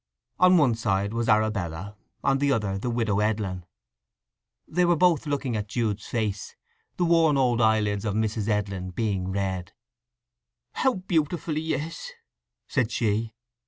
On one side was Arabella, on the other the Widow Edlin. They were both looking at Jude's face, the worn old eyelids of Mrs. Edlin being red. "How beautiful he is!" said she.